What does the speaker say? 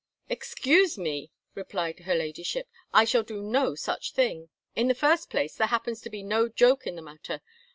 "Excuse me," replied her Ladyship, "I shall do no such thing. In the first place, there happens to be no joke in the matter.